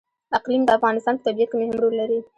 اقلیم د افغانستان په طبیعت کې مهم رول لري.